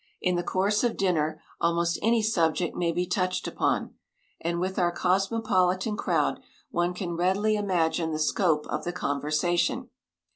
In the course of dinner almost any subject may be touched upon, and with our cosmopolitan crowd one can readily imagine the scope of the conversation.